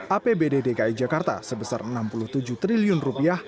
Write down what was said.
apbd dki jakarta sebesar enam puluh tujuh triliun rupiah